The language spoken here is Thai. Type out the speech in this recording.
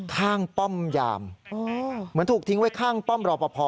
ป้อมยามเหมือนถูกทิ้งไว้ข้างป้อมรอปภ